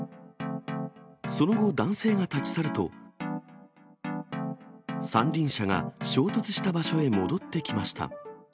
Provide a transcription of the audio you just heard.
その後、男性が立ち去ると、三輪車が衝突した場所へ戻ってきました。